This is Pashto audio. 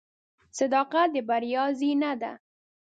• صداقت د بریا زینه ده.